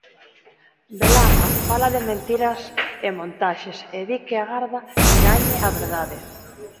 Belarra fala de mentiras e montaxes e di que agarda que gañe a verdade.